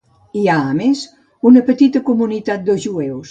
Hi ha, a més, una petita comunitat de jueus.